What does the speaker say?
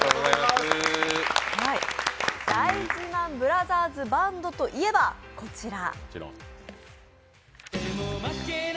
大事ＭＡＮブラザーズバンドといえばこちら。